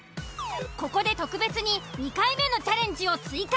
ここで特別に２回目のチャレンジを追加。